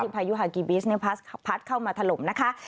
พายุฮากิบิสพัดเข้ามาถล่มนะคะ